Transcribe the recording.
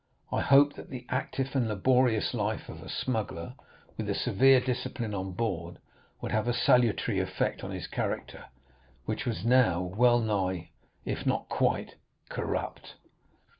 "I hoped that the active and laborious life of a smuggler, with the severe discipline on board, would have a salutary effect on his character, which was now well nigh, if not quite, corrupt.